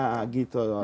nah gitu loh